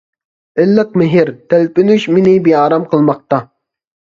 ئىللىق مېھىر، تەلپۈنۈش مېنى بىئارام قىلماقتا.